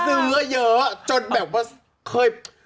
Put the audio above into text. จนเวลาซื้อเยอะจนแบบก็เคย